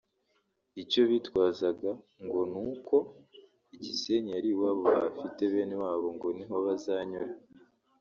Icyo bitwaza ngo ni uko i Gisenyi ari iwabo bahafite bene wabo ngo niho bazanyura